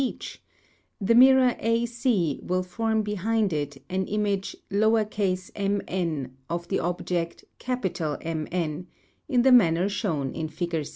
eacn> the mirror AC will form behind it an image m n of the object M N, in the manner shown in fig.